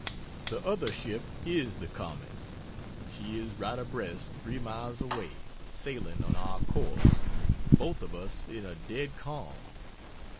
The other ship is the Comet she is right abreast three miles away, sailing on our course both of us in a dead calm.